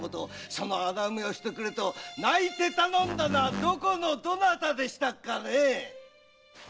その穴埋めを泣いて頼んだのはどこのどなたでしたかねェ